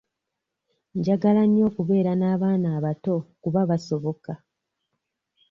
Njagala nnyo okubeera n'abaana abatono kuba basoboka.